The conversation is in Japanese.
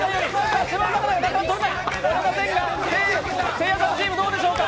せいやさんチームどうでしょうか？